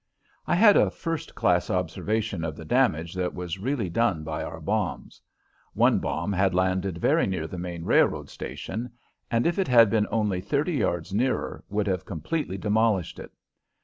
I had a first class observation of the damage that was really done by our bombs. One bomb had landed very near the main railroad station, and if it had been only thirty yards nearer would have completely demolished it.